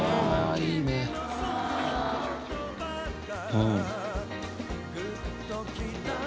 うん。